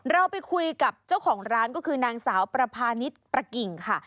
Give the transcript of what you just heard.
เราไปคุยกับเจ้าของร้านก็คือนางสาวประพาณิชย์ประกิ่งค่ะ